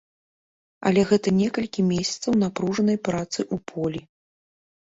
Але гэта некалькі месяцаў напружанай працы ў полі.